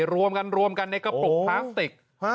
รวมกันรวมกันในกระปุกพลาสติก